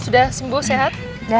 udah sembuh sehat